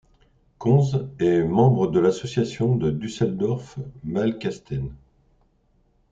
Conz est membre de l'association de Düsseldorf Malkasten.